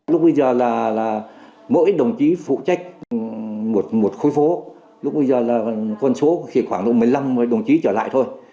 lúc bây giờ là mỗi đồng chí phụ trách một khối phố lúc bây giờ là con số thì khoảng độ một mươi năm đồng chí trở lại thôi